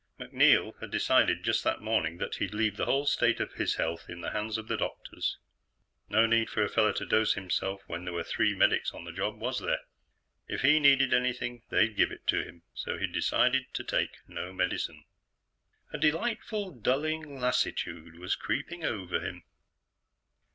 MacNeil had decided just that morning that he'd leave the whole state of his health in the hands of the doctors. No need for a fellow to dose himself when there were three medics on the job, was there? If he needed anything, they'd give it to him, so he'd decided to take no medicine. A delightful, dulling lassitude was creeping over him.